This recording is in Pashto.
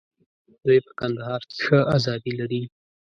دوی په کندهار کې ښه آزادي لري.